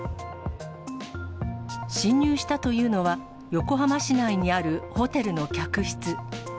侵入したというのは、横浜市内にあるホテルの客室。